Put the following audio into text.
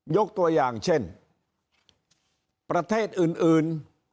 ยกตัวอย่างเช่นประเทศอื่น